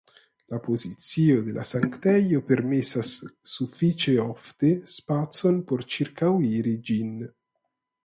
La pozicio de la sanktejo permesas sufiĉe ofte spacon por ĉirkauiri ĝin.